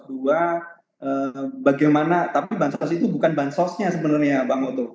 dua bagaimana tapi bansos itu bukan bansosnya sebenarnya bang oto